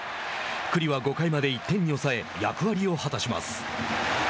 九里は５回まで１点に抑え役割を果たします。